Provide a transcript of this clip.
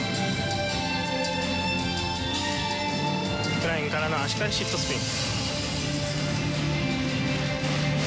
フライングからの足換えシットスピン。